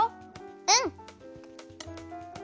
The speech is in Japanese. うん。